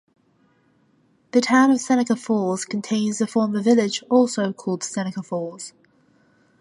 The Town of Seneca Falls contains the former village also called Seneca Falls.